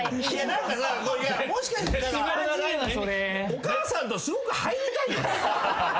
お母さんとすごく入りたいよね？